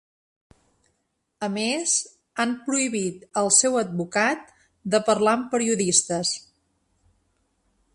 A més, han prohibit al seu advocat de parlar amb periodistes.